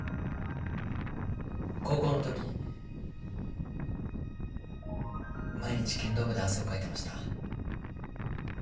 高校のとき毎日剣道部で汗をかいてました。